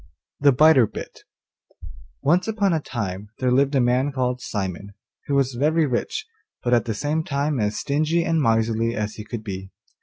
THE BITER BIT Once upon a time there lived a man called Simon, who was very rich, but at the same time as stingy and miserly as he could be.